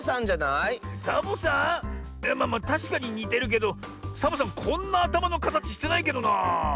いやまあまあたしかににてるけどサボさんはこんなあたまのかたちしてないけどなあ。